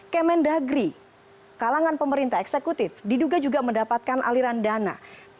kemendagri kalangan pemerintah eksekutif diduga juga mendapatkan aliran dana